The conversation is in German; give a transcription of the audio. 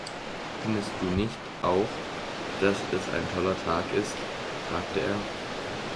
„Findest du nicht auch, dass es ein toller Tag ist?“ fragte er.